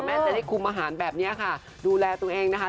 จะได้คุมอาหารแบบนี้ค่ะดูแลตัวเองนะคะ